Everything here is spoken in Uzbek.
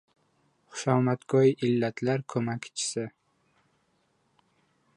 Xushomadgo‘y illatlar ko‘mak-chisi.